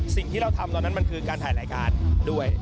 สิ่งที่เราทำตอนนั้นมันคือการถ่ายรายการด้วย